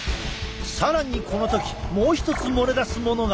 さらにこの時もう一つ漏れ出すものが。